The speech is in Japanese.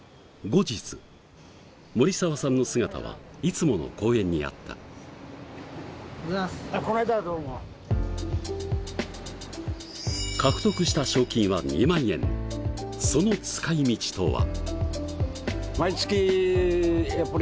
後日森澤さんの姿はいつもの公園にあったおはようございます獲得した賞金は２万円その使い道とは？